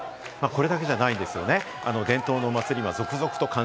これだけじゃないんですよね。